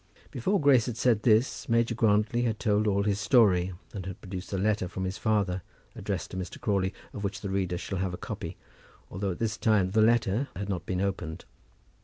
Before Grace had said this, Major Grantly had told all his story, and had produced a letter from his father, addressed to Mr. Crawley, of which the reader shall have a copy, although at this time the letter had not been opened.